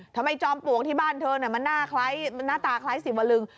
ทำไมจอมปลวงที่บ้านเธอเนี้ยมันน่าคล้ายมันน่าตาคล้ายสิบวลึง